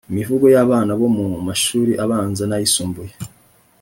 imivugo y’abana bo mu mashuri abanza n’ayisumbuye